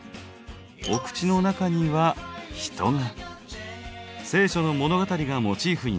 お口の中には人が。